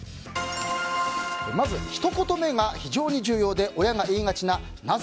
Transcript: まずひと言目が非常に重要で親が言いがちななぜ？